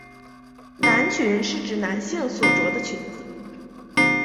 男裙是指男性所着的裙子。